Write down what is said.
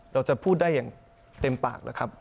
เราจะพูดได้อย่างเต็มปากแล้วครับ